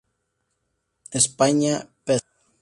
España, Pza.